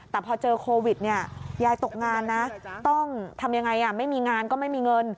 แต่พอเจอโควิดเนี่ยยายตกงานนะต้องทำยังไงไม่มีงานก็ไม่มีเงิน